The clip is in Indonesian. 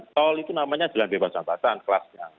tol itu namanya jalan bebas biasa